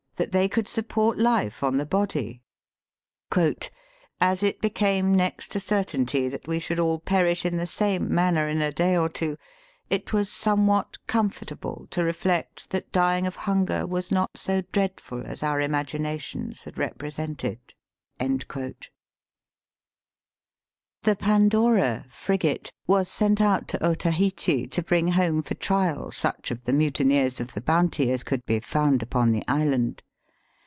That they could support life on the body 1 " As it became next to certainty that we should all perish in the same manner in a day or two, it was somewhat comfort able to reflect that dying of hunger was not so dreadful as our imaginations had repre sented." The Pandora, frigate, was sent out to Ota heite, to bring home for trial such of the mutineers of the Bounty as could be found upon the island.